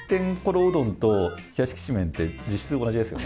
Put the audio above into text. うどんと冷やしきしめんって、実質同じですよね。